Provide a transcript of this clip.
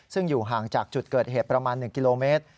ซึ่งอยู่ห่างจากจุดเกิดเหตุประมาณ๑กิโลเมตร